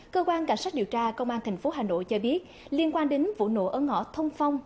cơ quan cảnh sát điều tra công an tp hà nội cho biết liên quan đến vụ nổ ở ngõ thông phong